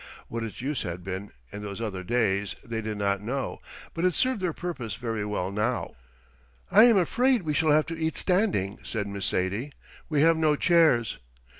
What its use had been, in those other days, they did not know, but it served their purpose very well now. "I am afraid we shall have to eat standing," said Miss Sadie. "We have no chairs."